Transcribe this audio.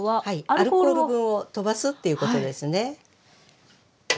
アルコール分を飛ばすっていうことですね。